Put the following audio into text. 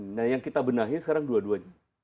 nah yang kita benahi sekarang dua duanya